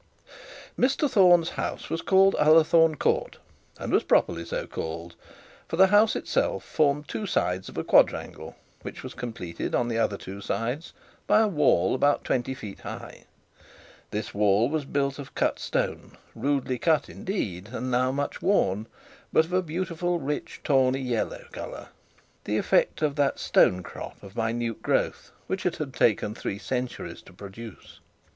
Mr Thorne's house was called Ullathorne Court, and was properly so called; for the house itself formed two sides of a quadrangle, which was completed in the other two sides by a wall about twenty feet high. This was built of cut stone, rudely cut indeed, and now much worn, but of a beautiful rich tawny yellow colour, the effect of that stonecrop of minute growth, which it had taken three centuries to produce.